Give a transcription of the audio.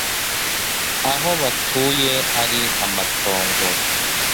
aho batuye ari amatongo,